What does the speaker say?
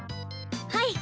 はい。